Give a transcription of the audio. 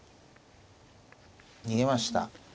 逃げました。